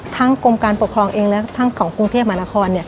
กรมการปกครองเองและทั้งของกรุงเทพมหานคร